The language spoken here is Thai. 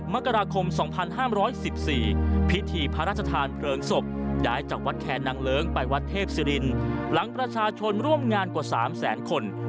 มกราคม๒๕๑๔พิธีพระราชทานเพลิงศพย้ายจากวัดแคนนางเลิ้งไปวัดเทพศิรินหลังประชาชนร่วมงานกว่า๓แสนคน